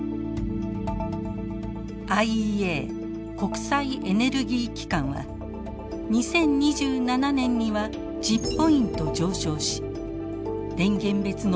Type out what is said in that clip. ＩＥＡ＝国際エネルギー機関は２０２７年には１０ポイント上昇し電源別のトップになっていると予測しています。